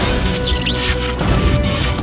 aku akan menang